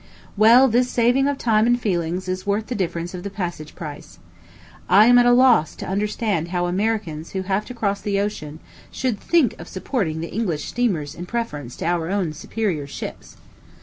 Well, this saving of time and feelings is worth the difference of the passage price. I am at a loss to understand how Americans who have to cross the ocean should think of supporting the English steamers in preference to our own superior ships.